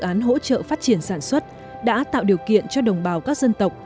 dự án hỗ trợ phát triển sản xuất đã tạo điều kiện cho đồng bào các dân tộc